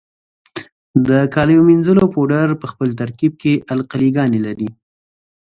د کالیو منیځلو پوډر په خپل ترکیب کې القلي ګانې لري.